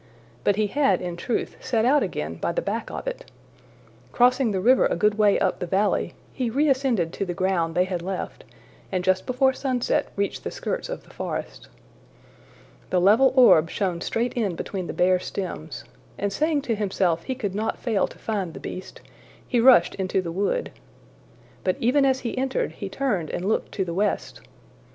But he had in truth set out again by the back of it. Crossing the river a good way up the valley, he reascended to the ground they had left, and just before sunset reached the skirts of the forest. The level orb shone straight in between the bare stems, and saying to himself he could not fail to find the beast, he rushed into the wood. But even as he entered, he turned and looked to the west.